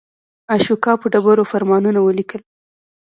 اشوکا په ډبرو فرمانونه ولیکل.